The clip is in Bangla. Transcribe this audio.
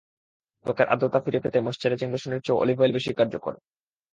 ত্বকের আর্দ্রতা ফিরে পেতে ময়েশ্চারাইজিং লোশনের চেয়েও অলিভ অয়েল বেশি কার্যকর।